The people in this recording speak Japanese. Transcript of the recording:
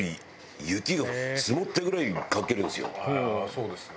そうですね。